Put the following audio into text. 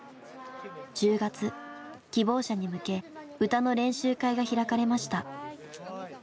希望者に向け歌の練習会が開かれました。